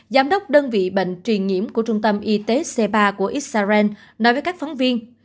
giám đốc đơn vị bệnh truyền nhiễm của trung tâm y tế c ba của israel nói với các phóng viên